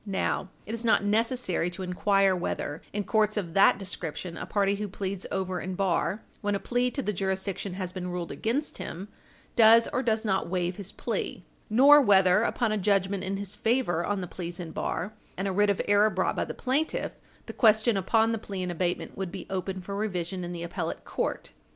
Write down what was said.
Now it is not necessary to inquire whether, in courts of that description, a party who pleads over in bar when a plea to the jurisdiction has been ruled against him does or does not waive his plea, nor whether, upon a judgment in his favor on the pleas in bar and a writ of error brought by the plaintiff, the question upon the plea in abatement would be open for revision in the appellate court.